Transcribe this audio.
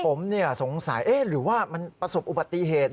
ผมสงสัยหรือว่ามันประสบอุบัติเหตุ